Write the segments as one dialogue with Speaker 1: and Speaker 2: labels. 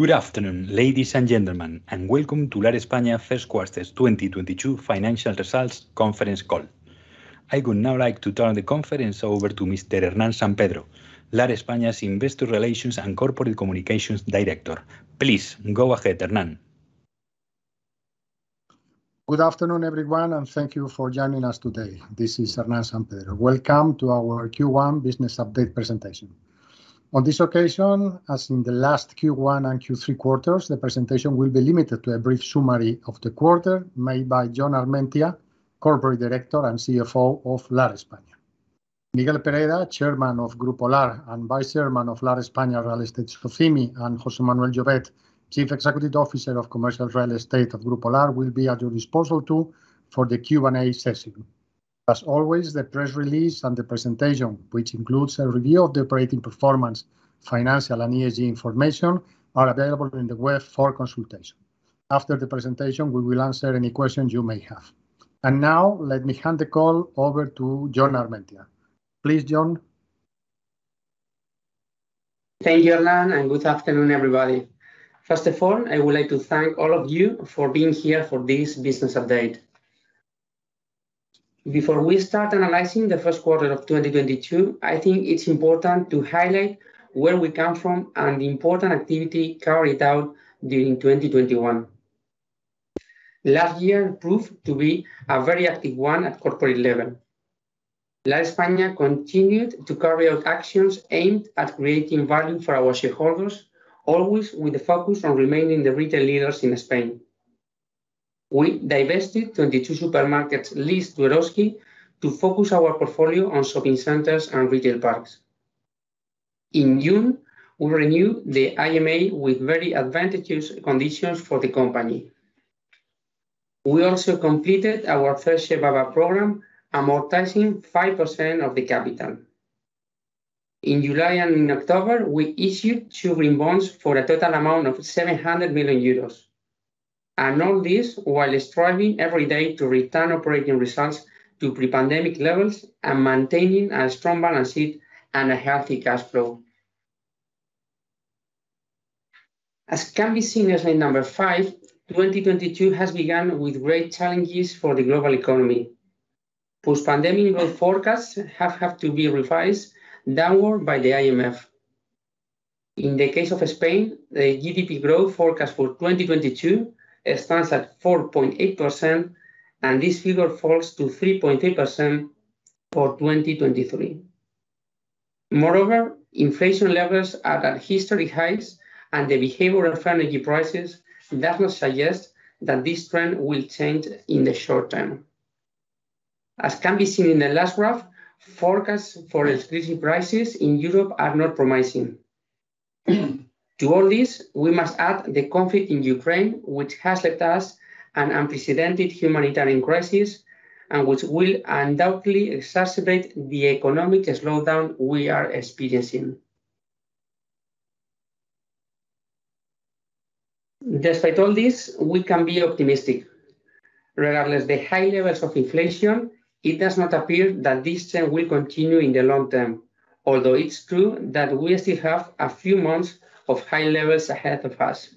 Speaker 1: Good afternoon, ladies and gentlemen, and welcome to Lar España Q1 2022 financial results conference call. I would now like to turn the conference over to Mr. Hernán San Pedro, Lar España's Investor Relations and Corporate Communication Director. Please go ahead, Hernán.
Speaker 2: Good afternoon, everyone, and thank you for joining us today. This is Hernán San Pedro. Welcome to our Q1 business update presentation. On this occasion, as in the last Q1 and Q3 quarters, the presentation will be limited to a brief summary of the quarter made by Jon Armentia, Corporate Director and CFO of Lar España. Miguel Pereda, Chairman of Grupo Lar and Vice Chairman of Lar España Real Estate SOCIMI, and José Manuel Llovet, Chief Executive Officer of Commercial Real Estate of Grupo Lar, will be at your disposal too for the Q&A session. As always, the press release and the presentation, which includes a review of the operating performance, financial, and ESG information, are available on the web for consultation. After the presentation, we will answer any questions you may have. Now let me hand the call over to Jon Armentia. Please, Jon.
Speaker 3: Thank you, Hernán, and good afternoon, everybody. First of all, I would like to thank all of you for being here for this business update. Before we start analyzing the Q1 of 2022, I think it's important to highlight where we come from and the important activity carried out during 2021. Last year proved to be a very active one at corporate level. Lar España continued to carry out actions aimed at creating value for our shareholders, always with the focus on remaining the retail leaders in Spain. We divested 22 supermarkets leased to Eroski to focus our portfolio on shopping centers and retail parks. In June, we renewed the IMA with very advantageous conditions for the company. We also completed our first share buyback program, amortizing 5% of the capital. In July and in October, we issued two green bonds for a total amount of 700 million euros. All this while striving every day to return operating results to pre-pandemic levels and maintaining a strong balance sheet and a healthy cash flow. As can be seen in slide number five, 2022 has begun with great challenges for the global economy. Post-pandemic growth forecasts have had to be revised downward by the IMF. In the case of Spain, the GDP growth forecast for 2022 stands at 4.8%, and this figure falls to 3.8% for 2023. Moreover, inflation levels are at historic highs, and the behavior of energy prices does not suggest that this trend will change in the short term. As can be seen in the last graph, forecasts for electricity prices in Europe are not promising. To all this, we must add the conflict in Ukraine, which has left us an unprecedented humanitarian crisis and which will undoubtedly exacerbate the economic slowdown we are experiencing. Despite all this, we can be optimistic. Regardless the high levels of inflation, it does not appear that this trend will continue in the long term, although it's true that we still have a few months of high levels ahead of us.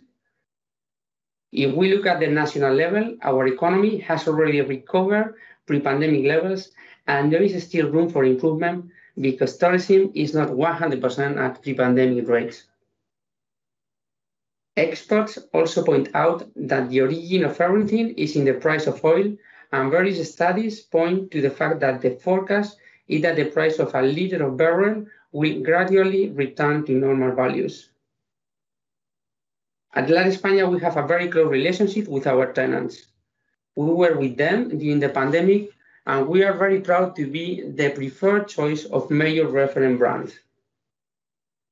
Speaker 3: If we look at the national level, our economy has already recovered pre-pandemic levels, and there is still room for improvement because tourism is not 100% at pre-pandemic rates. Experts also point out that the origin of everything is in the price of oil, and various studies point to the fact that the forecast is that the price of a barrel will gradually return to normal values. At Lar España, we have a very close relationship with our tenants. We were with them during the pandemic, and we are very proud to be the preferred choice of major referent brands.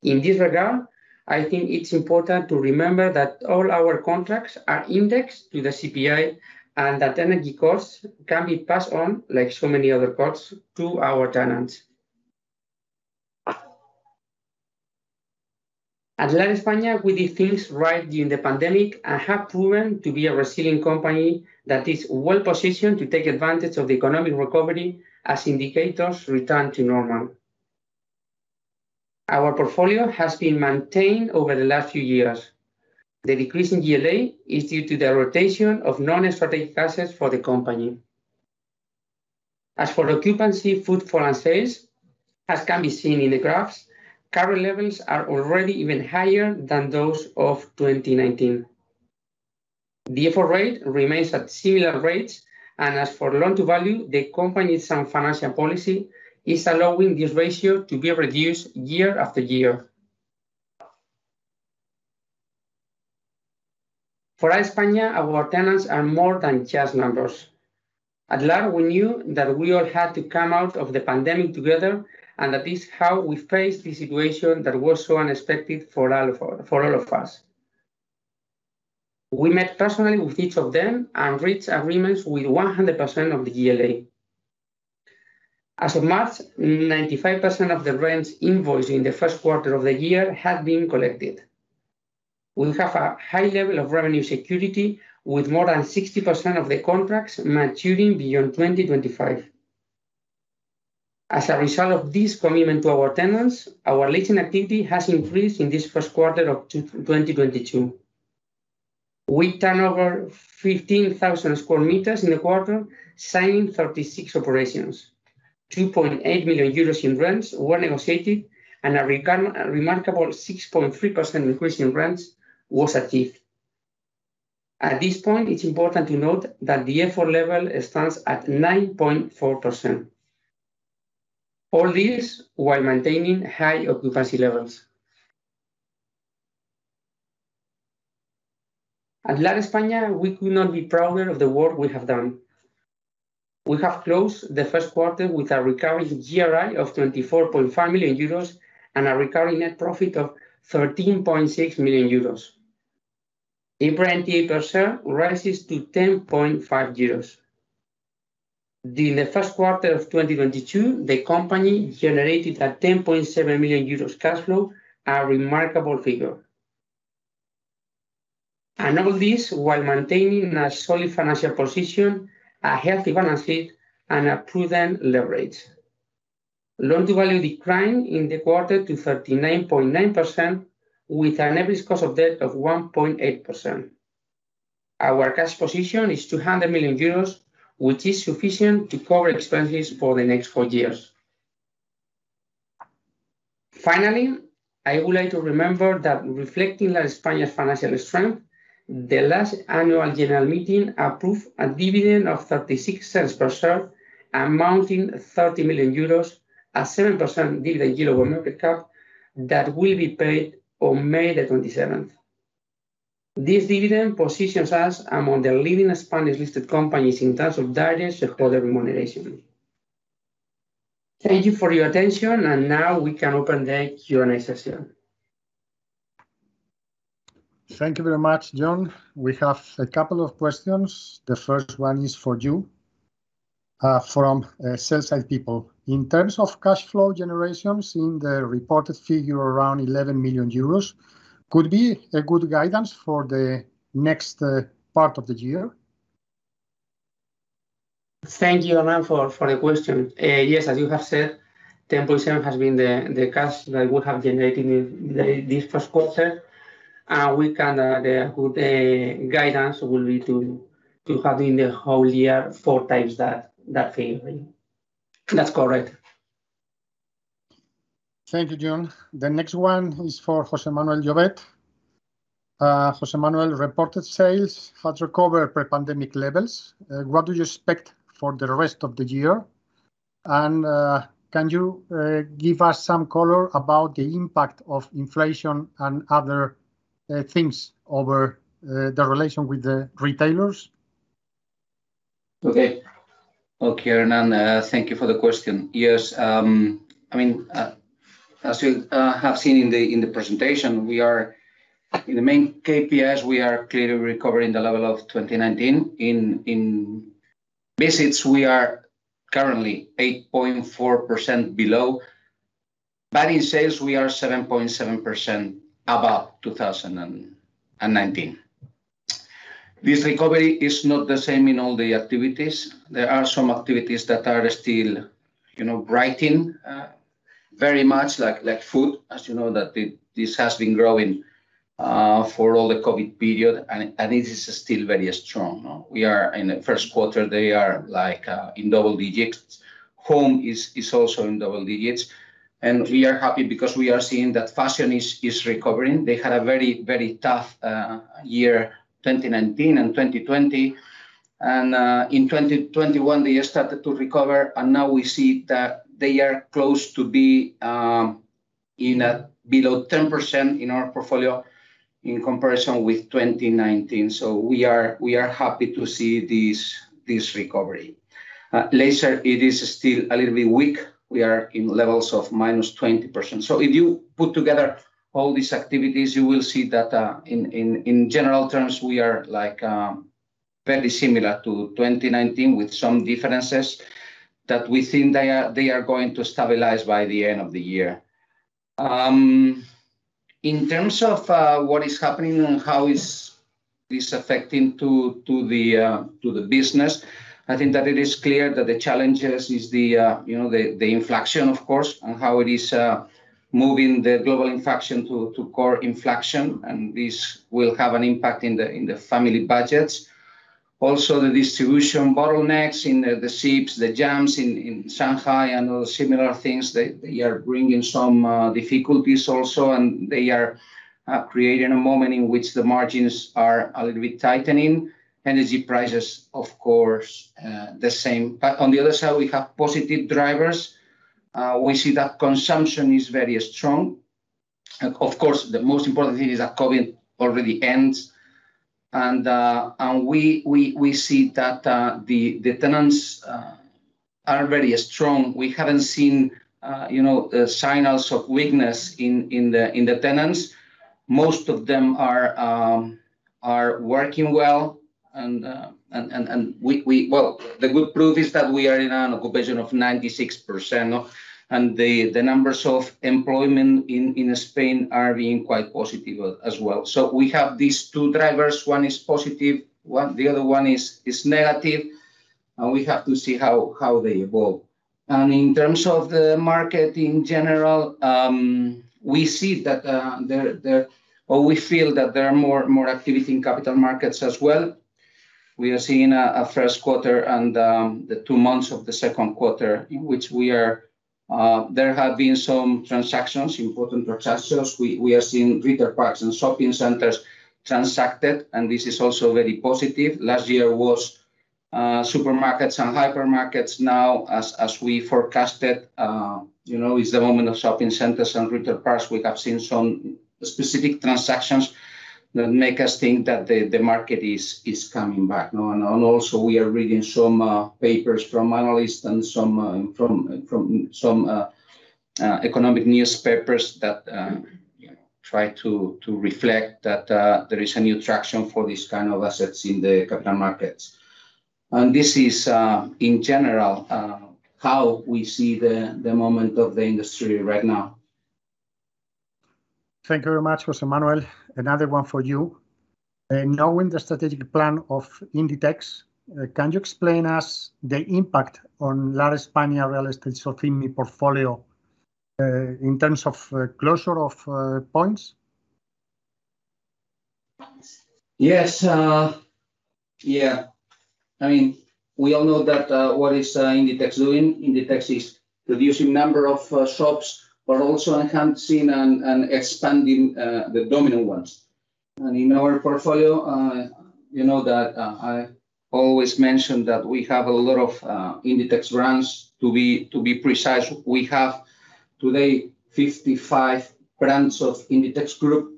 Speaker 3: In this regard, I think it's important to remember that all our contracts are indexed to the CPI and that energy costs can be passed on, like so many other costs, to our tenants. At Lar España, we did things right during the pandemic and have proven to be a resilient company that is well-positioned to take advantage of the economic recovery as indicators return to normal. Our portfolio has been maintained over the last few years. The decrease in GLA is due to the rotation of non-strategic assets for the company. As for occupancy, footfall, and sales, as can be seen in the graphs, current levels are already even higher than those of 2019. The FO rate remains at similar rates. As for loan-to-value, the company's sound financial policy is allowing this ratio to be reduced year-after-year. For Lar España, our tenants are more than just numbers. At Lar, we knew that we all had to come out of the pandemic together, and that is how we faced the situation that was so unexpected for all of us. We met personally with each of them and reached agreements with 100% of the GLA. As of March, 95% of the rents invoiced in the Q1 of the year had been collected. We have a high level of revenue security, with more than 60% of the contracts maturing beyond 2025. As a result of this commitment to our tenants, our leasing activity has increased in this Q1 of 2022. We turned over 15,000 square meters in the quarter, signed 36 operations. 2.8 million euros in rents were negotiated, and a remarkable 6.3% increase in rents was achieved. At this point, it's important to note that the effort level stands at 9.4%. All this while maintaining high occupancy levels. At Lar España, we could not be prouder of the work we have done. We have closed the Q1 with a recurring GRI of 24.5 million euros and a recurring net profit of 13.6 million euros. EBITDA per share rises to 10.5 euros. During the Q1 of 2022, the company generated 10.7 million euros cash flow, a remarkable figure. All this while maintaining a solid financial position, a healthy balance sheet, and a prudent leverage. Loan-to-value declined in the quarter to 39.9% with an average cost of debt of 1.8%. Our cash position is 200 million euros, which is sufficient to cover expenses for the next four years. Finally, I would like to remember that reflecting Lar España's financial strength, the last annual general meeting approved a dividend of 0.36 per share, amounting 30 million euros, a 7% dividend yield over market cap that will be paid on May 27. This dividend positions us among the leading Spanish listed companies in terms of dividend shareholder remuneration. Thank you for your attention, and now we can open the Q&A session.
Speaker 2: Thank you very much, Jon. We have a couple of questions. The first one is for you, from sell-side people. In terms of cash flow generations in the reported figure around 11 million euros, could be a good guidance for the next part of the year?
Speaker 3: Thank you, Hernán, for the question. Yes, as you have said, 10.7 has been the cash that we have generated in this Q1. The guidance will be to have in the whole year four times that figure. That's correct.
Speaker 2: Thank you, Jon. The next one is for José Manuel Llovet. José Manuel, reported sales had recovered pre-pandemic levels. What do you expect for the rest of the year? Can you give us some color about the impact of inflation and other things over the relation with the retailers?
Speaker 4: Okay, Hernán, thank you for the question. Yes, I mean, as you have seen in the presentation. In the main KPIs, we are clearly recovering the level of 2019. In visits, we are currently 8.4% below. In sales, we are 7.7% above 2019. This recovery is not the same in all the activities. There are some activities that are still, you know, thriving very much like food. As you know, this has been growing for all the COVID period and it is still very strong. We are in the Q1, they are like in double digits. Home is also in double digits. We are happy because we are seeing that fashion is recovering. They had a very, very tough year, 2019 and 2020. In 2021, they started to recover, and now we see that they are close to be in a below 10% in our portfolio in comparison with 2019. We are happy to see this recovery. Leisure, it is still a little bit weak. We are in levels of -20%. If you put together all these activities, you will see that in general terms, we are like very similar to 2019 with some differences that we think they are going to stabilize by the end-of-the-year. In terms of what is happening and how is this affecting to the business, I think that it is clear that the challenges is the you know the inflation, of course, and how it is moving the global inflation to core inflation. This will have an impact in the family budgets. The distribution bottlenecks in the ships, the jams in Shanghai and other similar things, they are bringing some difficulties also, and they are creating a moment in which the margins are a little bit tightening. Energy prices, of course, the same. On the other side, we have positive drivers. We see that consumption is very strong. Of course, the most important thing is that COVID already ends. We see that the tenants are very strong. We haven't seen, you know, signals of weakness in the tenants. Most of them are working well. Well, the good proof is that we are in an occupancy of 96%, no? The numbers of employment in Spain are being quite positive, as well. So we have these two drivers. One is positive, one the other one is negative. We have to see how they evolve. In terms of the market in general, we see that there. Or we feel that there are more activity in capital markets as well. We are seeing a Q1 and the two months of the Q2 in which there have been some transactions, important transactions. We are seeing retail parks and shopping centers transacted, and this is also very positive. Last year was supermarkets and hypermarkets. Now as we forecasted, you know, it's the moment of shopping centers and retail parks. We have seen some specific transactions that make us think that the market is coming back. Also we are reading some papers from analysts and some from some economic newspapers that try to reflect that there is a new traction for these kind of assets in the capital markets. This is in general how we see the moment of the industry right now.
Speaker 2: Thank you very much, José Manuel. Another one for you. Knowing the strategic plan of Inditex, can you explain us the impact on Lar España Real Estate SOCIMI portfolio, in terms of closure of points?
Speaker 4: Yes. Yeah. I mean, we all know what Inditex is doing. Inditex is reducing number of shops, but also enhancing and expanding the dominant ones. In our portfolio, you know that I always mention that we have a lot of Inditex brands. To be precise, we have today 55 brands of Inditex Group.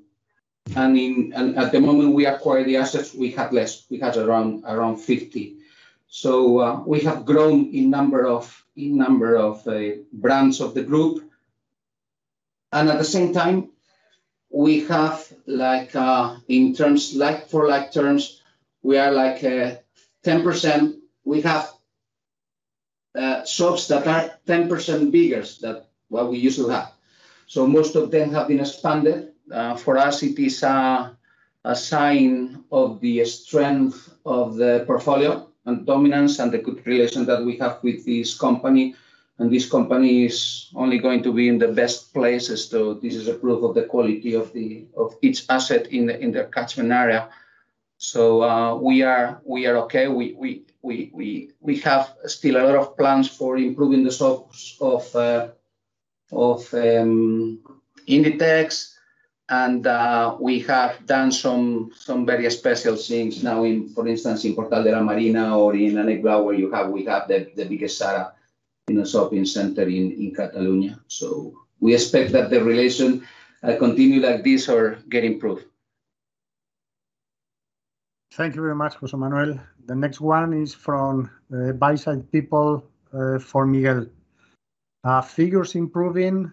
Speaker 4: At the moment we acquired the assets, we had less. We had around 50. We have grown in number of brands of the group. At the same time, we have, like, in like-for-like terms, we are, like, 10%. We have shops that are 10% bigger than what we usually have. Most of them have been expanded. For us it is a sign of the strength of the portfolio and dominance and the good relation that we have with this company. This company is only going to be in the best places, so this is a proof of the quality of each asset in the catchment area. We are okay. We have still a lot of plans for improving the shops of Inditex. We have done some very special things now in, for instance, Portal de la Marina or in Ànecblau, where we have the biggest Zara in a shopping center in Catalonia. We expect that the relation continue like this or get improved.
Speaker 2: Thank you very much, José Manuel. The next one is from buy-side people for Miguel. Figures improving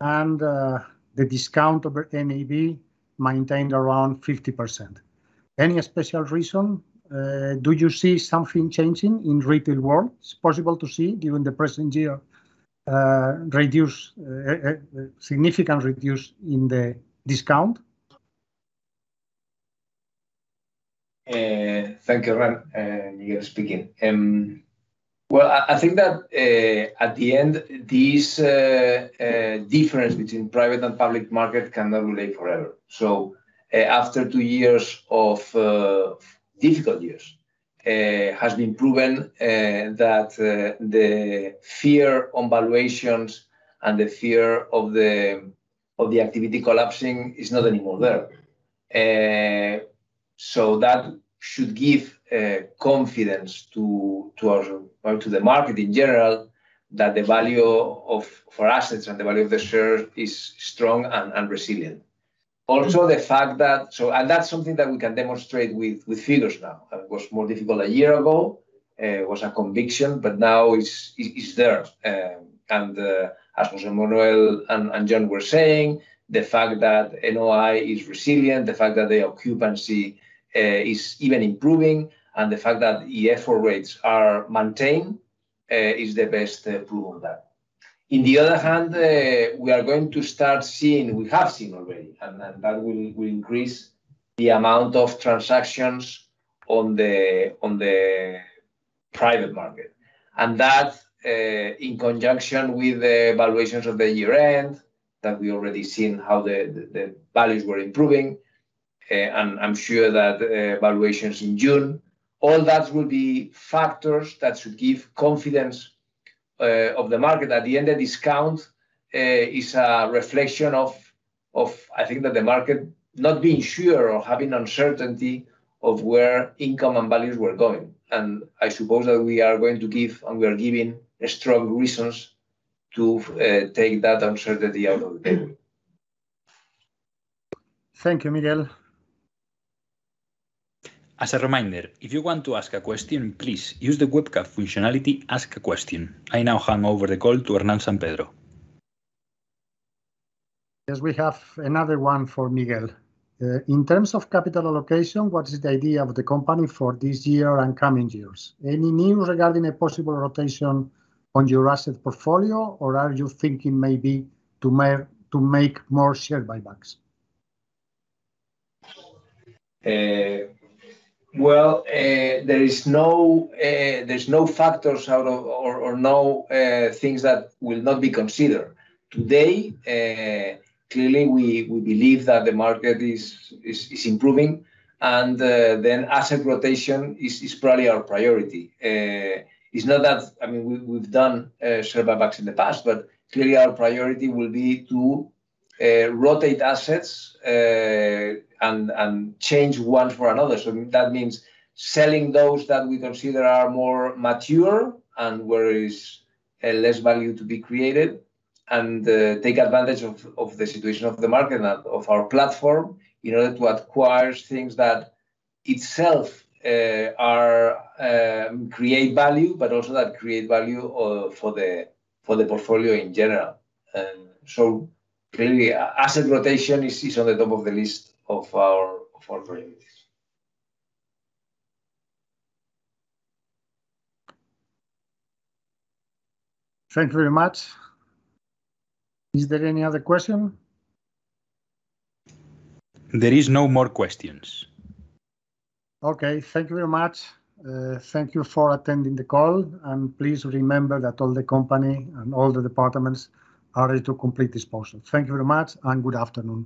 Speaker 2: and the discount over NAV maintained around 50%. Any special reason? Do you see something changing in retail world? It's possible to see given the present year significant reduction in the discount.
Speaker 5: Thank you, Hernán. Miguel speaking. Well, I think that at the end, this difference between private and public market cannot relate forever. After two years of difficult years, has been proven that the fear on valuations and the fear of the activity collapsing is not anymore there. That should give confidence to the market in general that the value of our assets and the value of the share is strong and resilient. That's something that we can demonstrate with figures now. It was more difficult a year ago. It was a conviction, but now it's there. As José Manuel and Jon were saying, the fact that NOI is resilient, the fact that the occupancy is even improving, and the fact that FFO rates are maintained is the best proof of that. On the other hand, we are going to start seeing, we have seen already, and that will increase the amount of transactions on the private market. That in conjunction with the valuations of the year-end, that we already seen how the values were improving, and I'm sure that valuations in June, all that will be factors that should give confidence of the market. In the end, the discount is a reflection of, I think that the market not being sure or having uncertainty of where income and values were going. I suppose that we are going to give, and we are giving strong reasons to take that uncertainty out of the table.
Speaker 2: Thank you, Miguel.
Speaker 1: As a reminder, if you want to ask a question, please use the webcam functionality, Ask a Question. I now hand over the call to Hernán San Pedro.
Speaker 2: Yes, we have another one for Miguel. In terms of capital allocation, what is the idea of the company for this year and coming years? Any news regarding a possible rotation on your asset portfolio, or are you thinking maybe to make more share buybacks?
Speaker 5: There's no factors or things that will not be considered. Today, clearly we believe that the market is improving, and asset rotation is probably our priority. It's not that. I mean, we've done share buybacks in the past, but clearly our priority will be to rotate assets and change one for another. That means selling those that we consider are more mature and where is less value to be created, and take advantage of the situation of the market and of our platform in order to acquire things that itself are create value, but also that create value for the portfolio in general. Clearly asset rotation is on the top of the list of our priorities.
Speaker 2: Thank you very much. Is there any other question?
Speaker 1: There is no more questions.
Speaker 2: Okay. Thank you very much. Thank you for attending the call, and please remember that all the company and all the departments are ready to complete this process. Thank you very much and good afternoon.